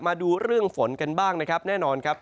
มาดูเรื่องฝนกันบ้างนะครับแน่นอนครับ